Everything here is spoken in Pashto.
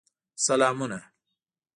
سلامونه